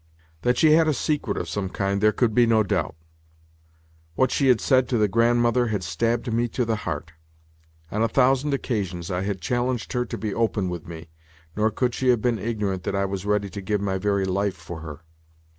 That she had a secret of some kind there could be no doubt. What she had said to the Grandmother had stabbed me to the heart. On a thousand occasions I had challenged her to be open with me, nor could she have been ignorant that I was ready to give my very life for her.